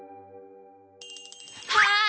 はい！